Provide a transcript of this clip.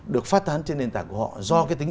được phát tán trên nền tảng của họ do cái tính